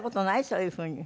そういうふうに。